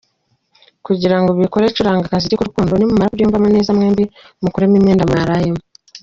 Kugira ngo ubikore curanga akaziki k’urukundo, nimumara kubyiyumvamo neza mwembi mukuremo imyenda mwarayemo.